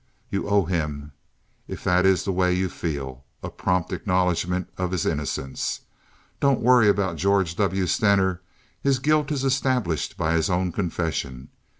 You owe him, if that is the way you feel, a prompt acknowledgment of his innocence. Don't worry about George W. Stener. His guilt is established by his own confession.